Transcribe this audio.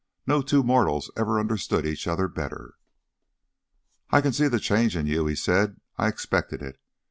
No two mortals ever understood each other better. "I see the change in you," he said. "I expected it.